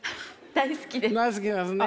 大好きです。